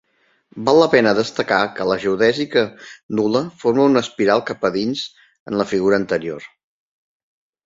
Val la pena destacar que la geodèsica nul·la forma una "espiral" cap a dins en la figura anterior.